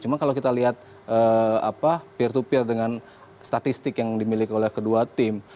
cuma kalau kita lihat peer to peer dengan statistik yang dimiliki oleh kedua tim